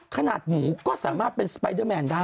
ขนาดหมูก็สามารถเป็นสไปเดอร์แมนได้